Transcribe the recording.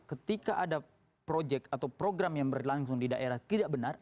ketika ada proyek atau program yang berlangsung di daerah tidak benar